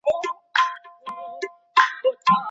که زده کوونکی محروم وساتل سي نو پرمختګ نسي کولای.